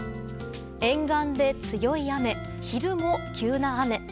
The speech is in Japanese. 沿岸で強い雨、昼も急な雨。